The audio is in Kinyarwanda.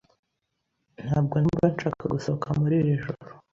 Ntabwo numva nshaka gusohoka muri iri joro.